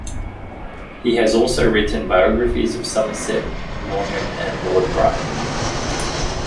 He has also written biographies of Somerset Maugham and Lord Byron.